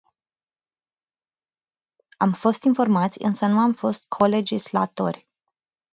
Am fost informați, însă nu am fost co-legislatori.